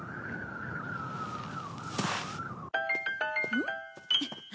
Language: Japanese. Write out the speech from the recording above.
うん？